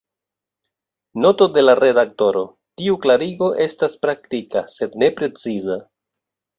Noto de la redaktoro: Tiu klarigo estas praktika, sed ne preciza.